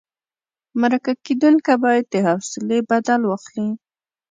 مرکه کېدونکی باید د حوصلې بدل واخلي.